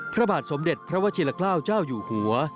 พระบาทสมเด็จพระวชิลเกล้าเจ้าอยู่หัว